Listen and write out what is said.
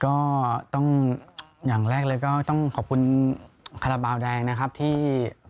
ก็ต้องอย่างแรกเลยก็ต้องขอบคุณคาราบาลแดงนะครับที่